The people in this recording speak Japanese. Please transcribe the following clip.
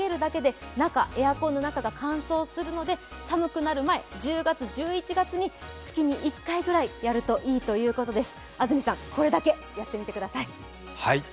これを３４時間かけるだけでエアコンの中が乾燥するので、寒くなる前、１０月、１１月に月に１回やるといいそうです。